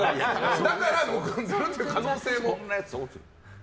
だから太ってるっていう可能性も。